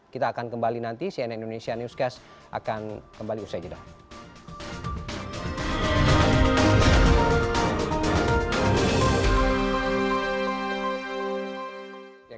kita akan kembali nanti cnn indonesia newscast akan kembali usai jeda